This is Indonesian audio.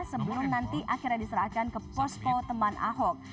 sebelum nanti akhirnya diserahkan ke posko teman ahok